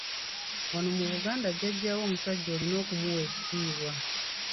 Wano mu Buganda Jjajjaawo omusajja olina okumuwa ekitiibwa.